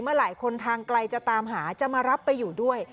เมื่อไหร่คนทางไกลจะตามหาจะมารับไปอยู่ด้วย